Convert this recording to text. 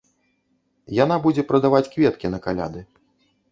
Яна будзе прадаваць кветкі на каляды.